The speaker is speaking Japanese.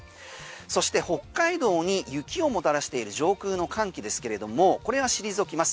そして北海道に雪をもたらしている上空の寒気ですけれどもこれは退きます。